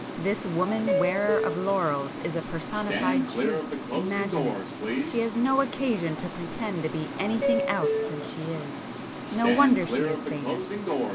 This woman wearer of laurels is a personified truth!—imagine it!—she has no occasion to pretend to be anything else than she is! No wonder she is famous!"